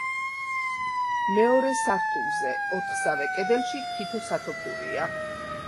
მეორე სართულზე, ოთხსავე კედელში, თითო სათოფურია.